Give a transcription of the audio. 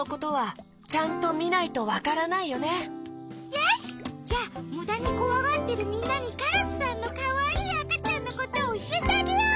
よしじゃむだにこわがってるみんなにカラスさんのかわいいあかちゃんのことをおしえてあげよう！